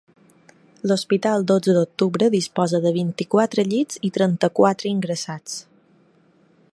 I l’hospital dotze d’octubre disposa de vint-i-quatre llits i trenta-quatre ingressats.